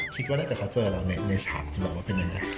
คิดว่าเมื่อก่อนเธอเจอเราในฉากจะบอกว่าเป็นอย่างไร